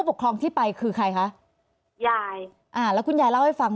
ไปตอนที่มีเรื่องใหม่ก็ไปทุกวันค่ะ